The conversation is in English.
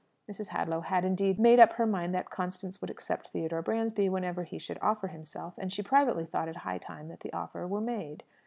Mrs. Hadlow had, indeed, made up her mind that Constance would accept Theodore Bransby whenever he should offer himself; and she privately thought it high time that the offer were made.